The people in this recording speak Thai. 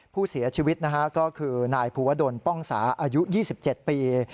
ผู้เสียชีวิตนะฮะก็คือนายภูวดลป้องสาอายุ๒๗ปี